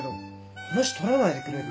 話取らないでくれる？